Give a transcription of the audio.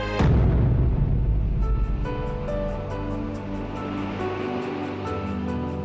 kamu nggak usah susah susah tristan